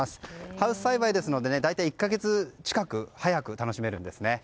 ハウス栽培ですので大体１か月近く早く楽しめるんですね。